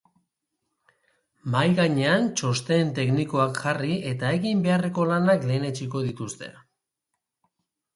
Mahai gainean txosten teknikoak jarri eta egin beharreko lanak lehenetsiko dituzte.